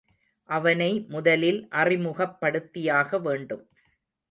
அவனை முதலில் அறிமுகப்படுத்தியாக வேண்டும்.